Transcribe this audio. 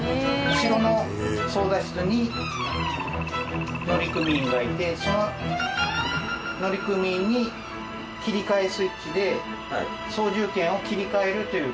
後ろの操舵室に乗組員がいてその乗組員に切り替えスイッチで操縦権を切り替えるという形をとってます。